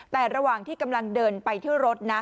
แต่ระหว่างที่กำลังเดินไปที่รถนะ